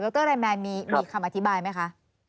ไรแมนมีคำอธิบายไหมคะ